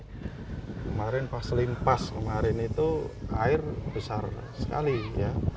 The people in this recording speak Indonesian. kemarin pas limpas kemarin itu air besar sekali ya